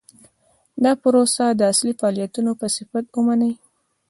دا پروسه د اصلي فعالیتونو په صفت ومني.